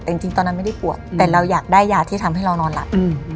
แต่จริงตอนนั้นไม่ได้ปวดแต่เราอยากได้ยาที่ทำให้เรานอนหลับ